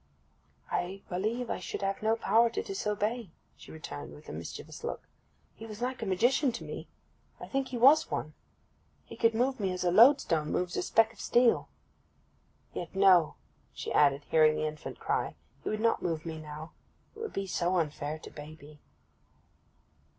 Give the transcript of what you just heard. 'I believe I should have no power to disobey,' she returned, with a mischievous look. 'He was like a magician to me. I think he was one. He could move me as a loadstone moves a speck of steel ... Yet no,' she added, hearing the infant cry, 'he would not move me now. It would be so unfair to baby.